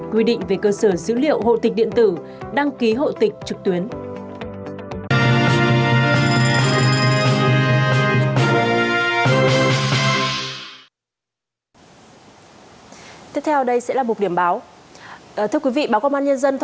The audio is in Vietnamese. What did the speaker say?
quy định về cơ sở dữ liệu hộ tịch điện tử đăng ký hộ tịch trực tuyến